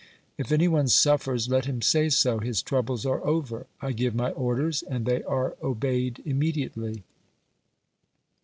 If any one suffers, let him say so, his troubles are over. I give my orders, and they are obeyed immediately.